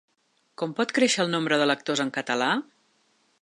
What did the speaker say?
Com pot créixer el nombre de lectors en català?